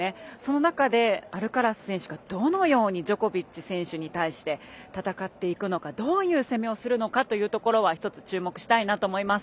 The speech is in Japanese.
その中でアルカラス選手がどのようにジョコビッチ選手に対して戦っていくのかどういう攻めをするのかというところは一つ注目したいなと思います。